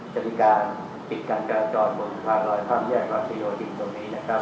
จะมีการปิดการจราจรบนสะพานลอยข้ามแยกรัชโยธินตรงนี้นะครับ